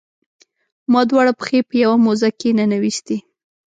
ما دواړه پښې په یوه موزه کې ننویستي.